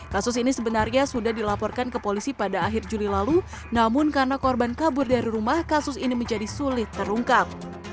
kasus ini sebenarnya sudah dilaporkan ke polisi pada akhir juli lalu namun karena korban kabur dari rumah kasus ini menjadi sulit terungkap